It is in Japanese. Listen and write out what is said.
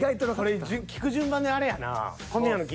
これ聞く順番であれやな。